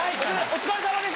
お疲れさまです。